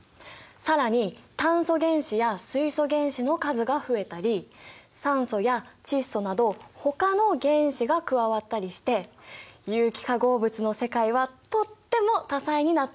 更に炭素原子や水素原子の数が増えたり酸素や窒素などほかの原子が加わったりして有機化合物の世界はとっても多彩になっているんだ。